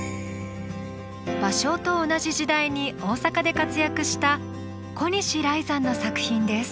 芭蕉と同じ時代に大坂で活躍した小西来山の作品です。